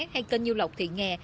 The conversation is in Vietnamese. hay kênh nhiêu lộc thị nghè